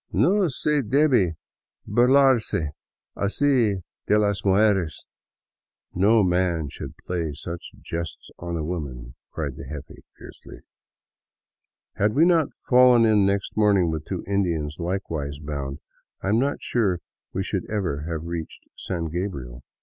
'' No se debe burlarse asi de las mujeres — no man should play such jests on a woman," cried the jefe fiercely. Had we not fallen in next morning with two Indians likewise bound, I am not sure we should ever have reached San Gabriel.